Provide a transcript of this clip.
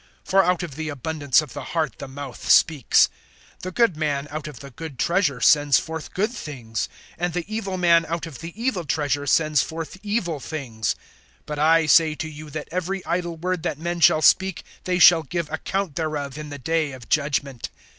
For out of the abundance of the heart the mouth speaks. (35)The good man out of the good treasure sends forth good things; and the evil man out of the evil treasure sends forth evil things. (36)But I say to you, that every idle word that men shall speak, they shall give account thereof in the day of judgment.